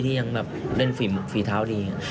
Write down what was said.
ที่ยังเล่นฝีเท้าดี